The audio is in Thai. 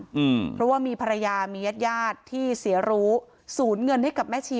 อืมเพราะว่ามีภรรยามีญาติญาติที่เสียรู้ศูนย์เงินให้กับแม่ชี